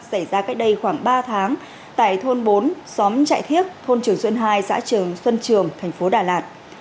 xảy ra cách đây khoảng ba tháng tại thôn bốn xóm trại thiếc thôn trường xuân hai xã trường xuân trường tp đà lạt